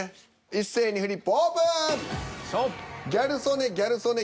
一斉にフリップオープン！